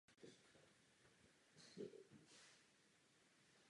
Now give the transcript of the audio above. Při střelbě byli zabiti tři lidé a pět dalších zraněno.